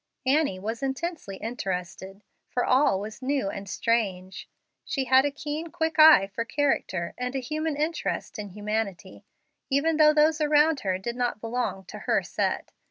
Annie was intensely interested, for all was new and strange. She had a keen, quick eye for character, and a human interest in humanity, even though those around her did not belong to her "set."